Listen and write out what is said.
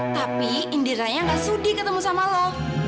tapi indiraya gak sudi ketemu sama lo